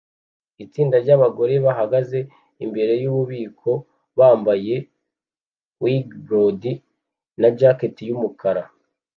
Itsinda ryabagore bahagaze imbere yububiko bambaye wig blond na jacket yumukara